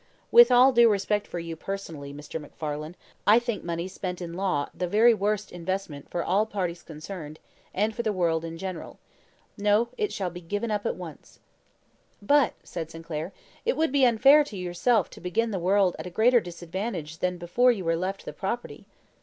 With all due respect for you personally, Mr. MacFarlane, I think money spent in law the very worst investment for all parties concerned, and for the world in general. No, it shall be given up at once." "But," said Sinclair, "it would be unfair to yourself to begin the world at greater disadvantage than before you were left the property."